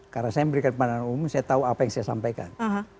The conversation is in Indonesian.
karena saya memberikan pandangan umum saya tahu apa yang saya sampaikan